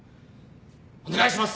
お願いします！